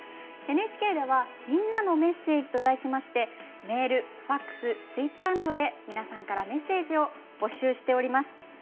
ＮＨＫではみんなのメッセージと題しましてメール、ファクスツイッターなどで皆さんからメッセージを募集しています。